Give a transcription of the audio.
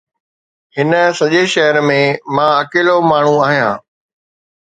هن سڄي شهر ۾، مان اڪيلو ماڻهو آهيان.